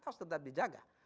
harus tetap dijaga